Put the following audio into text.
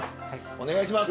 お願いします。